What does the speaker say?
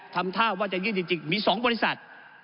ทำท่าว่าอย่างงี้จริงมี๒บริษัท